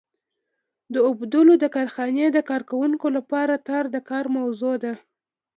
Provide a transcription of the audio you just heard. د اوبدلو د کارخونې د کارکوونکو لپاره تار د کار موضوع ده.